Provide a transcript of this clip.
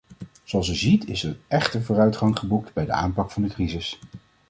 Zoals u ziet is er echte vooruitgang geboekt bij de aanpak van de crisis.